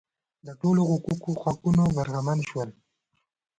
د ټولو حقونو برخمن شول.